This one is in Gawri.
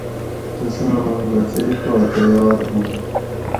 تساں بچئ پا تیار ھو